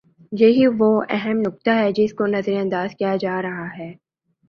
یہی وہ اہم نکتہ ہے جس کو نظر انداز کیا جا رہا ہے۔